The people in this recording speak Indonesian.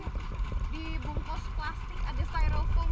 dibungkus plastik ada styrofoam